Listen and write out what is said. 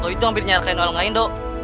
lu itu hampir nyarakan orang lain dong